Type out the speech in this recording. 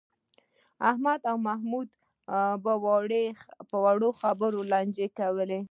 احمد او محمود په وړو خبرو لانجه وکړه.